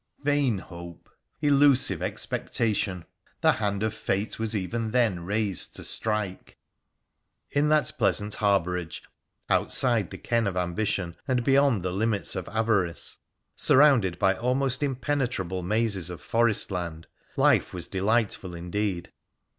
Vain hope ! Illusive expectation ! The hand of fate was even then raised to strike ! In that pleasant harbourage, outside the ken of ambition, and beyond the limits of avarice, surrounded by almost im penetrable mazes of forest land, life was delightful indeed.